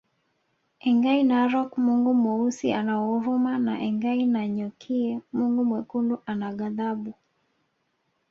Engai Narok Mungu Mweusi ana huruma na Engai Nanyokie Mungu Mwekundu ana ghadhabu